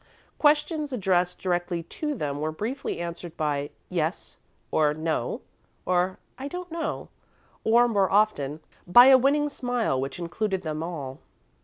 Questions addressed directly to them were briefly answered by "yes" or "no," or "I don't know," or, more often, by a winning smile which included them all.